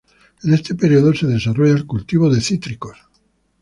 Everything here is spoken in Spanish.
En este período se desarrolla el cultivo de cítricos.